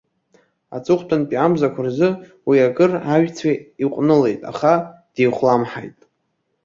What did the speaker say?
Аҵыхәтәантәи амзақәа рзы уи, акыр ажә-цәа иҟәнылеит, аха деихәламҳаит.